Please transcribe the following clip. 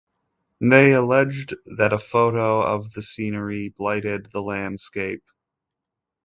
They alleged that a photo of the scenery blighted the landscape.